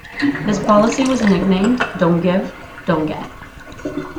This policy was nicknamed "dont give, don't get".